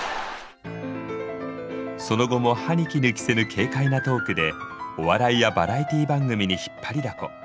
その後も歯にきぬ着せぬ軽快なトークでお笑いやバラエティー番組に引っ張りだこ。